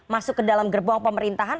masuk ke dalam gerbong pemerintahan